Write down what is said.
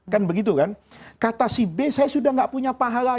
kan begitu kan kata si b saya sudah tidak punya pahala